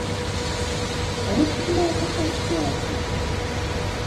Рэдка бывае такая сітуацыя.